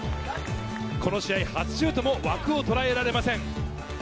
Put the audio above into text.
この試合、初シュートも枠をとらえられません。